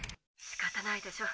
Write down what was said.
「しかたないでしょ。